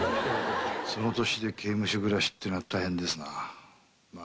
その年で刑務所暮らしってのは大変ですなぁ。